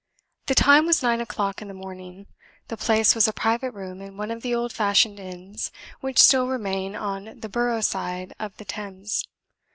The time was nine o'clock in the morning. The place was a private room in one of the old fashioned inns which still remain on the Borough side of the Thames.